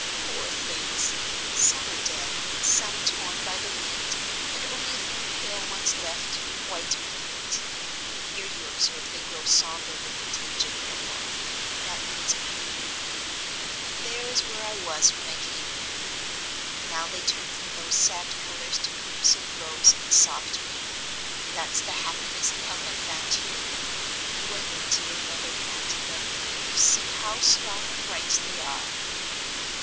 Poor things! some are dead, some torn by the wind, and only a few pale ones left quite perfect. Here you observe they grow sombre with a tinge of purple; that means pain and gloom, and there is where I was when I came here. Now they turn from those sad colors to crimson, rose, and soft pink. That's the happiness and health I found here. You and your dear mother planted them, and you see how strong and bright they are."